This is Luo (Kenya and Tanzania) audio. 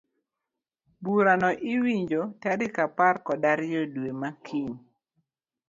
Burano iwinjo tarik apar kod ariyo dwe makiny.